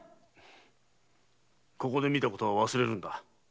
ここで見たことは忘れるんだ。